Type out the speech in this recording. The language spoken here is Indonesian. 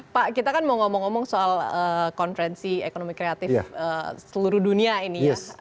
pak kita kan mau ngomong ngomong soal konferensi ekonomi kreatif seluruh dunia ini ya